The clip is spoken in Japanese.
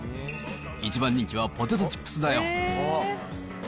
一番人気はポテトチップスだよ。